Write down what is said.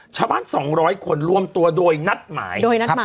ชาวบ้าน๒๐๐คนรวมตัวโดยนัฐหมาย